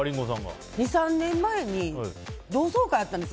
２３年前に同窓会があったんですよ